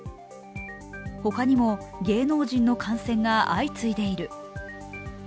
ほかにも、芸能人の感染が相次いでいる。